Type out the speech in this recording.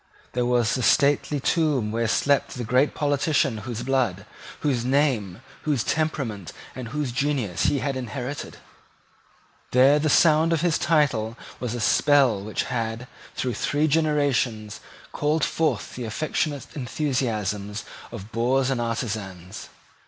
There was the stately tomb where slept the great politician whose blood, whose name, whose temperament, and whose genius he had inherited. There the very sound of his title was a spell which had, through three generations, called forth the affectionate enthusiasm of boors and artisans.